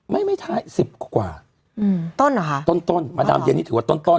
ไม่ไม่ท้ายสิบกว่าอืมต้นเหรอคะต้นต้นมาดามเย็นนี่ถือว่าต้นต้น